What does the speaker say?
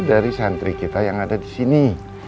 dari santri kita yang ada di sini